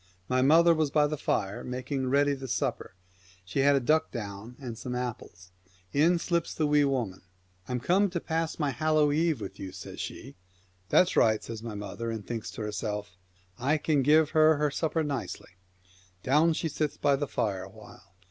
My mother was by the fire, making ready the supper ; she had a duck down and some 206 apples. In slips the Wee Woman, ''I'm The T T „ T ,.,,, Friends of come to pass my Hallow Jive with you, t h e People says she. " That's right," says my mother, ofFaer y and thinks to herself, " I can give her her supper nicely." Down she sits by the fire a while.